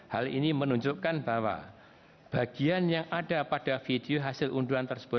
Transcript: hal ini menunjukkan bahwa bagian yang ada pada video hasil unduhan tersebut